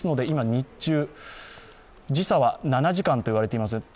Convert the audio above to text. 今、日中、時差は７時間と言われています。